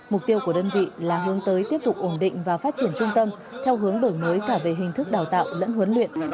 mục tiêu của đơn vị là hướng tới tiếp tục ổn định và phát triển trung tâm theo hướng đổi mới cả về hình thức đào tạo lẫn huấn luyện